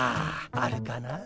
あるかな。